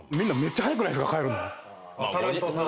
タレントさん。